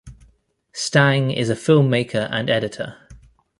Stang is a filmmaker and editor.